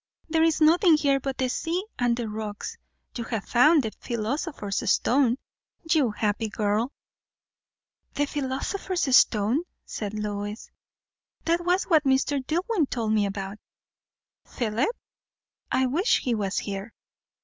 "There is nothing here but the sea and the rocks. You have found the philosopher's stone, you happy girl!" "The philosopher's stone?" said Lois. "That was what Mr. Dillwyn told me about." "Philip? I wish he was here."